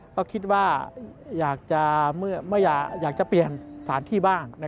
ก็คิดว่าอยากจะเปลี่ยนสถานที่บ้าง